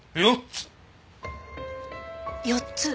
４つ？